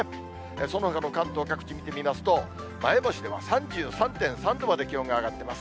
そのほかの関東各地を見てみますと、前橋では３３．３度まで気温が上がってます。